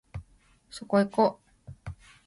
そこいこ